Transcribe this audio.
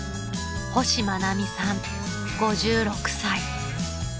［星愛美さん５６歳］